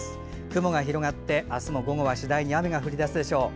雲が広がって、あすも午後は次第に雨が降り出すでしょう。